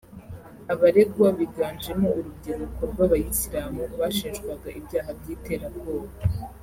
Abaregwa biganjemo urubyiruko rw’Abayisilamu bashinjwaga ibyaha by’iterabwoba